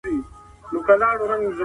انسانان بايد يو له بل سره مرسته وکړي.